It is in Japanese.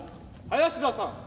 林田さん。